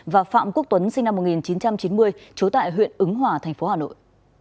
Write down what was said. và phạm quốc tuấn sinh năm một nghìn chín trăm chín mươi trú tại huyện ứng hòa thành phố hà nội